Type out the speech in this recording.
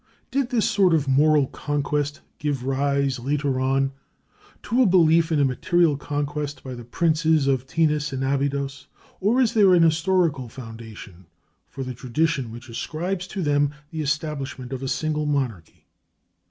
Did this sort of moral conquest give rise, later on, to a belief in a material conquest by the princes of Thinis and Abydos, or is there an historical foundation for the tradition which ascribes to them the establishment of a single monarchy?